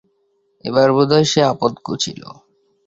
এবার বোধ হয় সে আপদ ঘুচিল।